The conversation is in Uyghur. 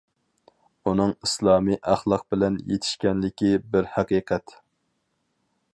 ئۇنىڭ ئىسلامى ئەخلاق بىلەن يېتىشكەنلىكى بىر ھەقىقەت.